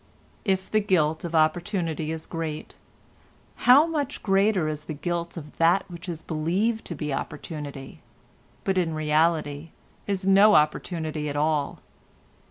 If the guilt of opportunity is great, how much greater is the guilt of that which is believed to be opportunity, but in reality is no opportunity at all.